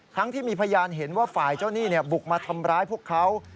ที่มีพยานเห็นว่าฝ่ายเจ้าหนี้บุกมาทำร้ายพวกเขา